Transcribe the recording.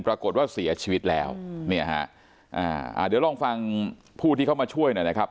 ปรากฏว่าเสียชีวิตแล้วเดี๋ยวลองฟังผู้ที่เข้ามาช่วยหน่อยนะครับ